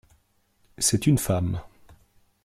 C'est une femme.